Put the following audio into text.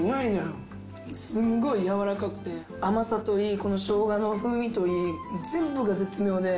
すんごいやわらかくて甘さといいこの生姜の風味といい全部が絶妙で。